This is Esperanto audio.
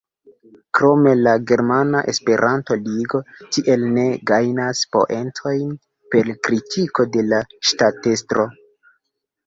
Krome la Germana Esperanto-Ligo tiele ne gajnas poentojn per kritiko de la ŝtatestro.